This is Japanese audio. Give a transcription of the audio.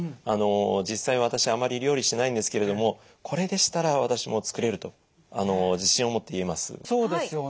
あの実際私あまり料理しないんですけれどもこれでしたら私も作れると自信を持って言えます。